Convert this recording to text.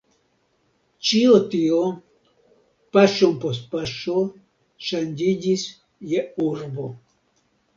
Ĉio tio paŝon post paŝo ŝanĝiĝis je urbo.